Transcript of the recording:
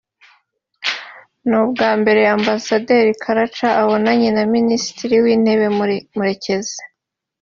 ni ubwa mbere Ambasaderi Karaca abonanye na Minisitiri w’intebe Murekezi